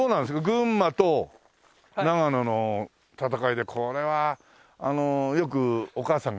群馬と長野の戦いでこれはよくお母さんがね